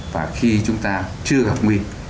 và khi chúng ta chưa gặp nguyện